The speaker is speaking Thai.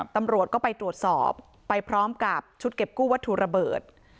ตำรวจก็ไปตรวจสอบไปพร้อมกับชุดเก็บกู้วัตถุระเบิด